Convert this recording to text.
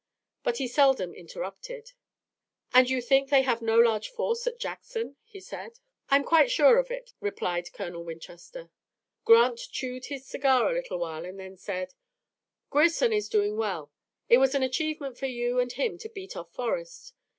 But he seldom interrupted. "And you think they have no large force at Jackson?" he said. "I'm quite sure of it," replied Colonel Winchester. Grant chewed his cigar a little while and then said: "Grierson is doing well. It was an achievement for you and him to beat off Forrest.